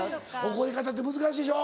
怒り方って難しいでしょ。